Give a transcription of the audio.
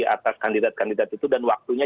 atas kandidat kandidat itu dan waktunya